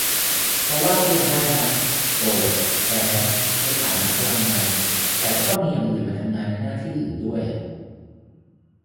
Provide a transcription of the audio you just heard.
เราว่าก็ยังได้นะ โกรธ แค้น ในฐานะพลังงาน แต่ก็ต้องมีอย่างอื่นมาทำงานในหน้าที่อื่นด้วย